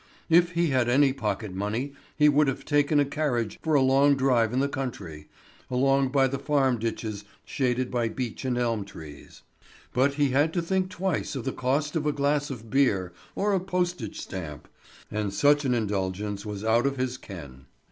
If he had had any pocket money, he would have taken a carriage for a long drive in the country, along by the farm ditches shaded by beech and elm trees; but he had to think twice of the cost of a glass of beer or a postage stamp, and such an indulgence was out of his ken.